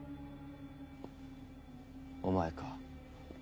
お前か。